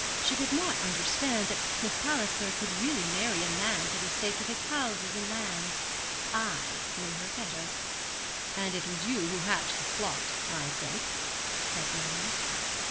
She could not understand that Miss Palliser could really marry a man for the sake of his houses and lands. I knew her better.' 'And it was you who hatched the plot, I think,' said Brian.